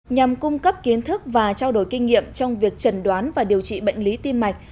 nhằm cung cấp kiến thức và trao đổi kinh nghiệm trong việc trần đoán và điều trị bệnh lý tim mạch